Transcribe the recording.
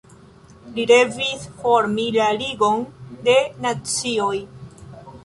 Li revis formi la Ligon de Nacioj.